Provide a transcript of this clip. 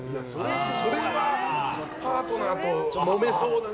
それはパートナーともめそうだね。